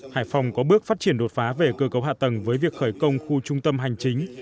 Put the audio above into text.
hải phòng có bước phát triển đột phá về cơ cấu hạ tầng với việc khởi công khu trung tâm hành chính